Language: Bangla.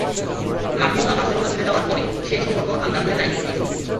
গার্দিওলা বার্সেলোনা ছেড়ে যাওয়ার পরও সেই সম্পর্ক আলগা হয়ে যায়নি একটুও।